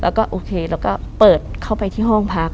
แล้วก็โอเคเราก็เปิดเข้าไปที่ห้องพัก